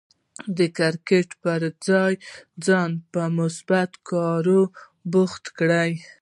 د کرکټ پر ځای ځان په مثبت کار بوخت کړئ.